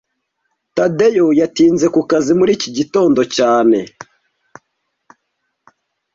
Tadeyo yatinze ku kazi muri iki gitondo cyane